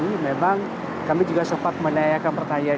ini memang kami juga sempat menanyakan pertanyaan